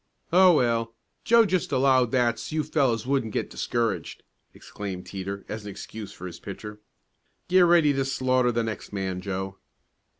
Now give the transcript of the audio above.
"Oh, well, Joe just allowed that so you fellows wouldn't get discouraged," exclaimed Teeter as an excuse for his pitcher. "Get ready to slaughter the next man, Joe."